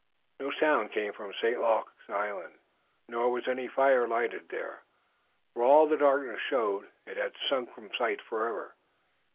No sound came from St. Luc's island, nor was any fire lighted there. For all the darkness showed, it had sunk from sight forever.